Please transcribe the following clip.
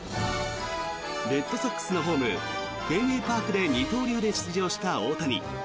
レッドソックスのホームフェンウェイパークで二刀流で出場した大谷。